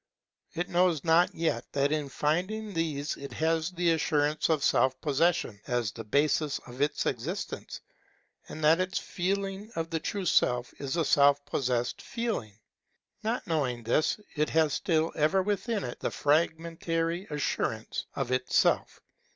It knows not yet that in finding these it has the assurance of self possession as the basis of its existence, and that its feeling of the true Self is a self possessed feeling. Not knowing this, it has still ever within it the ^fragmentary assurance of itself.